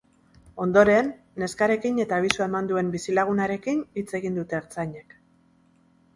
Ondoren, neskarekin eta abisua eman duen bizilagunarekin hitz egin dute ertzainek.